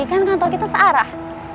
kan kantor kita searah